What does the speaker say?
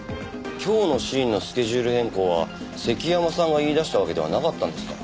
今日のシーンのスケジュール変更は関山さんが言い出したわけではなかったんですか？